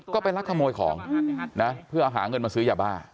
ก็ไปลักขโมยของนะเพื่อหาเงินมาซื้อยาบ้า